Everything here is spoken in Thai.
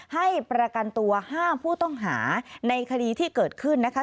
ให้ประกันตัวห้ามผู้ต้องหาในคดีที่เกิดขึ้นนะคะ